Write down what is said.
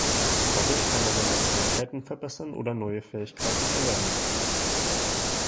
Dadurch kann er seine Fähigkeiten verbessern oder neue Fähigkeiten erlernen.